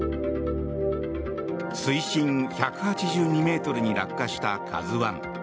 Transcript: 水深１８２ｍに落下した「ＫＡＺＵ１」。